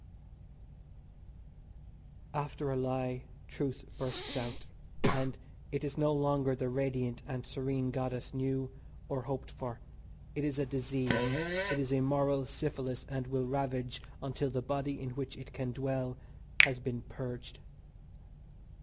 After a lie truth bursts out, and it is no longer the radiant and serene goddess knew or hoped for it is a disease, it is a moral syphilis and will ravage until the body in which it can dwell has been purged.